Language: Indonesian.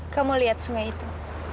kamu liat sungai itu